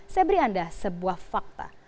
saya beri anda sebuah fakta